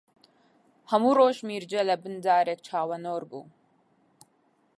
هەموو ڕۆژ میرجە لەبن دارێک چاوەنۆڕ بوو